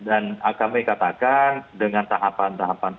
rencana nyahir pekan ini kita juga akan membahas akan melaksanakan rapimnasya